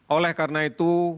oleh karena itu